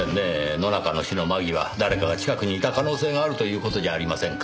野中の死の間際誰かが近くにいた可能性があるという事じゃありませんか。